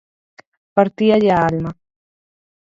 Partíalle a alma.